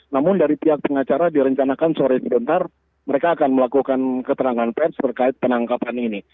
namun dari pihak pengacara direncanakan sore sebentar mereka akan melakukan keterangan pers terkait penangkapan ini